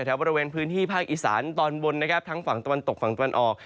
แถวบริเวณพื้นที่ภาคอีสานตอนบนนะครับทั้งฝั่งตะวันตกฝั่งตะวันออก